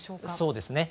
そうですね。